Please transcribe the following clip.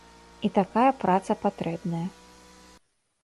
І такая праца патрэбная.